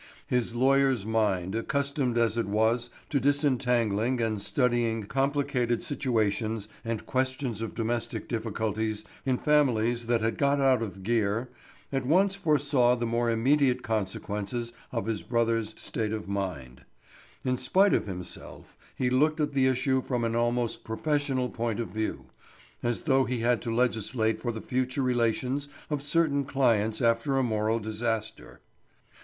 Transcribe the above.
His lawyer's mind, accustomed as it was to disentangling and studying complicated situations and questions of domestic difficulties in families that had got out of gear, at once foresaw the more immediate consequences of his brother's state of mind. In spite of himself, he looked at the issue from an almost professional point of view, as though he had to legislate for the future relations of certain clients after a moral disaster.